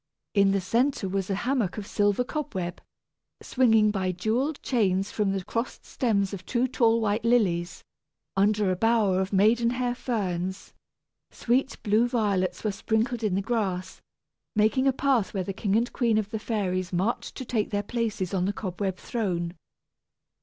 In the centre was a hammock of silver cobweb, swinging by jewelled chains from the crossed stems of two tall white lilies, under a bower of maiden hair ferns. Sweet blue violets were sprinkled in the grass, making a path where the king and queen of the fairies marched to take their places on the cobweb throne.